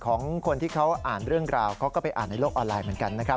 ของคนที่เขาอ่านเรื่องราวเขาก็ไปอ่านในโลกออนไลน์เหมือนกันนะครับ